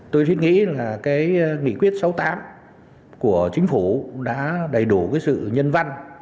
tôi thiết nghĩ là cái nghị quyết sáu mươi tám của chính phủ đã đầy đủ cái sự nhân văn